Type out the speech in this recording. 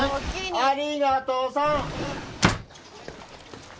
ありがとさん！